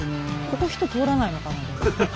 ここ人通らないのかな？